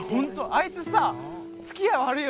あいつさつきあい悪いよな最近！